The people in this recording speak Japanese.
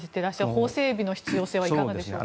法整備の必要性はいかがでしょうか？